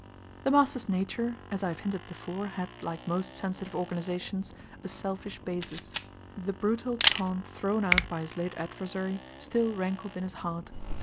The master's nature, as I have hinted before, had, like most sensitive organizations, a selfish basis. The brutal taunt thrown out by his late adversary still rankled in his heart.